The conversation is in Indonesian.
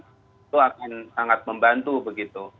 itu akan sangat membantu begitu